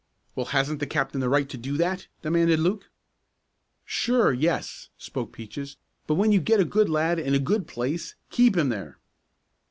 "Well, hasn't the captain the right to do that?" demanded Luke. "Sure, yes," spoke Peaches, "but when you get a good lad in a good place keep him there."